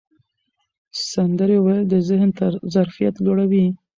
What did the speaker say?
سندرې ویل د ذهن ظرفیت لوړوي.